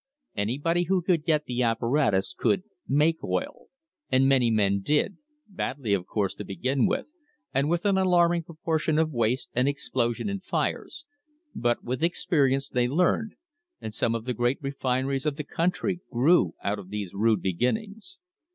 Anybody who could get the apparatus could "make oil," and many men did — badly, of course, to begin with, and with an alarming proportion of waste and explosions and fires, but with experience they learned, and some of the great refineries of the country grew out of these rude beginnings.